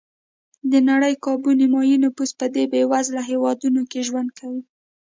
د نړۍ کابو نیمایي نفوس په دې بېوزله هېوادونو کې ژوند کوي.